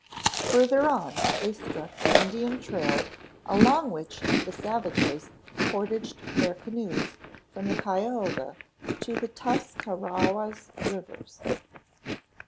Further on they struck the Indian trail along which the savages portaged their canoes from the Cuyahoga to the Tuscarawas rivers.